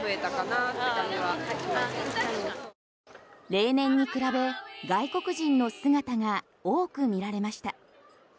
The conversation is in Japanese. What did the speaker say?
例年に比べ外国人の姿が多く見られました。